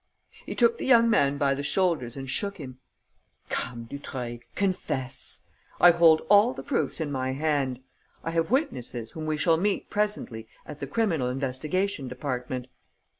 He took the young man by the shoulders and shook him: "Come, Dutreuil, confess! I hold all the proofs in my hand. I have witnesses whom we shall meet presently at the criminal investigation department.